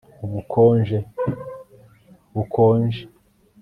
Ubukonje bukonje